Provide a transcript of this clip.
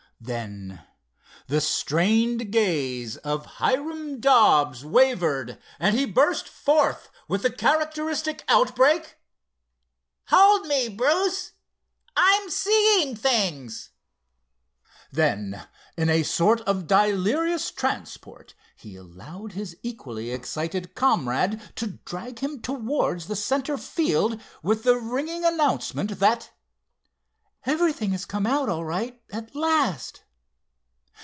Then the strained gaze of Hiram Dobbs wavered and he burst forth with the characteristic outbreak: "Hold me Bruce—I'm seeing things!" Then in a sort of delirious transport he allowed his equally excited comrade to drag him towards the center field with the ringing announcement that: "Everything has come out all right at last!"